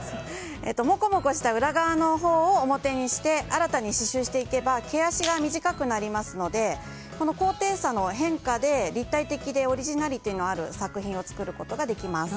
もこもこした裏側のほうを表にして新たに刺しゅうしていけば毛足が短くなりますので高低差の変化で、立体的でオリジナリティーのある作品を作ることができます。